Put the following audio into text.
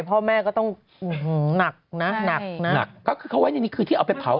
พ่อแม่ก็ต้องอ๋อหูหนักนะ